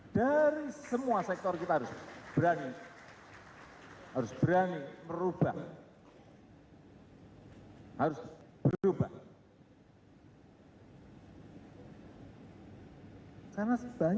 dari semua sektor kita harus berani harus berani merubah harus berubah